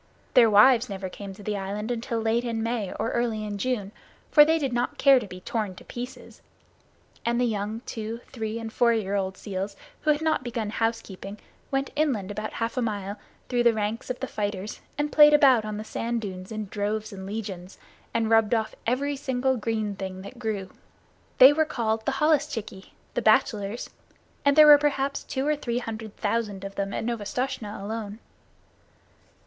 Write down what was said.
Their wives never came to the island until late in May or early in June, for they did not care to be torn to pieces; and the young two , three , and four year old seals who had not begun housekeeping went inland about half a mile through the ranks of the fighters and played about on the sand dunes in droves and legions, and rubbed off every single green thing that grew. They were called the holluschickie the bachelors and there were perhaps two or three hundred thousand of them at Novastoshnah alone.